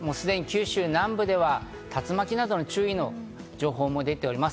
すでに九州南部では竜巻の注意などの情報も出ています。